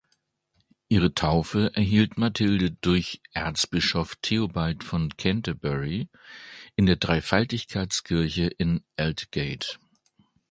Ihre Taufe erhielt Mathilde durch Erzbischof Theobald von Canterbury in der Dreifaltigkeitskirche in Aldgate.